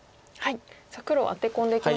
黒はアテ込んでいきました。